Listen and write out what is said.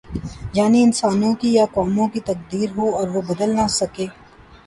یعنی انسانوں کی یا قوموں کی تقدیر ہو اور وہ بدل نہ سکے۔